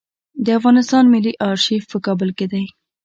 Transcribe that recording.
د افغانستان ملي آرشیف په کابل کې دی